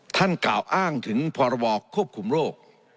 ท่านกล่าวอ้างถึงพอระบอบควบคุมโรค